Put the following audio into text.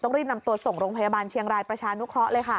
ต้องรีบนำตัวออกไปทรงพยาบาลเชียงรายประชานุเคราะห์ครับ